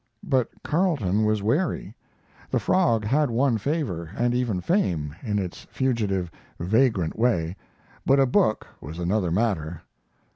But Carleton was wary; the "Frog" had won favor, and even fame, in its fugitive, vagrant way, but a book was another matter.